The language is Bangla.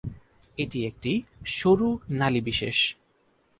এটি একটি সরু নালী বিশেষ।